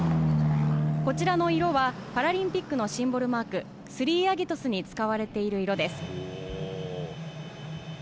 こちらの色は、パラリンピックのシンボルマーク、スリーアギトスに使われている色です。